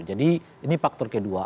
jadi ini faktor kedua